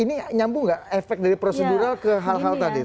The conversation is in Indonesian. ini nyambung nggak efek dari prosedural ke hal hal tadi